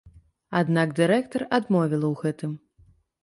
Аднак дырэктар адмовіла ў гэтым.